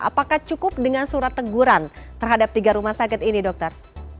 apakah cukup dengan surat teguran terhadap tiga rumah sakit ini dokter